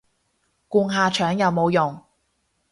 灌下腸有冇用